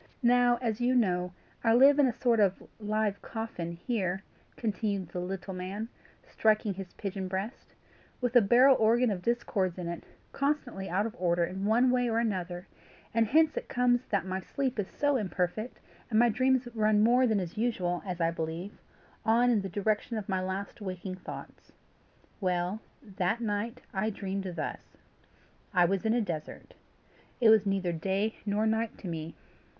Now, as you know, I live in a sort of live coffin here," continued the little man, striking his pigeon breast, "with a barrel organ of discords in it, constantly out of order in one way or another; and hence it comes that my sleep is so imperfect, and my dreams run more than is usual, as I believe, on in the direction of my last waking thoughts. Well, that night, I dreamed thus: I was in a desert. It was neither day nor night to me.